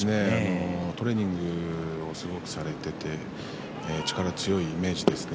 トレーニングをすごくしていて力強いイメージですね。